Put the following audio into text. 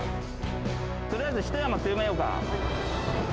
とりあえずひと山強めようか。